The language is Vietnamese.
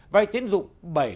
vài tiến dụng bảy mươi